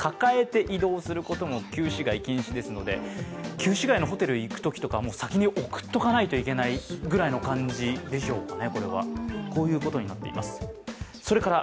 旧市街のホテル行くときとかは先に送っておかないといけないという感じでしょうかね。